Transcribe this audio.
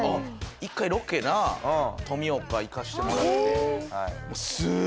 １回ロケな登美丘行かしてもらって。